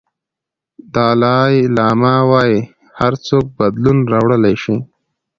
دالای لاما وایي هر څوک بدلون راوړلی شي.